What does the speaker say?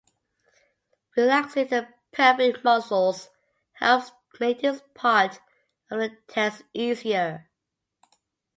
Relaxing the pelvic muscles helps make this part of the test easier.